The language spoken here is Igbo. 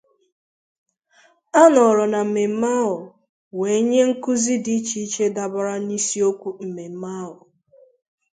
A nọrọ na mmemme ahụ wee nye nkụzi dị iche iche dabàrà n'isiokwu mmemme ahụ